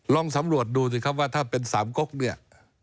ลองสำรวจดูสิครับว่าถ้าเป็นสามกกเนี่ย